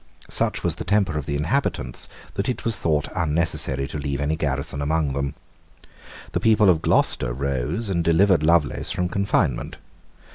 Such was the temper of the inhabitants that it was thought unnecessary to leave any garrison among them. The people of Gloucester rose and delivered Lovelace from confinement.